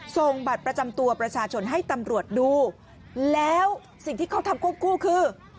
ส่งบัตรประจำตัวประชาชนให้ตำรวจดูแล้วสิ่งที่เขาทำควบคู่คือ